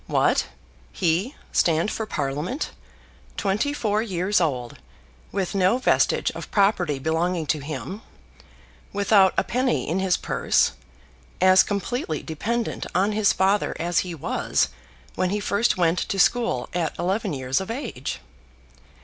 What! he stand for Parliament, twenty four years old, with no vestige of property belonging to him, without a penny in his purse, as completely dependent on his father as he was when he first went to school at eleven years of age!